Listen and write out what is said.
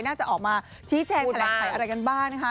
น่าจะออกมาชี้แจงแถลงไขอะไรกันบ้างนะคะ